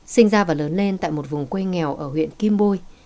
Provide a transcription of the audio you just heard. sinh ra và lớn lên tại một vùng quê nghèo ở huyện kim bôi